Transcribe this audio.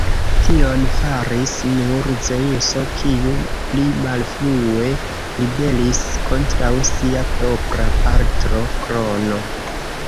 Tion faris nur Zeŭso, kiu pli malfrue ribelis kontraŭ sia propra patro, Krono.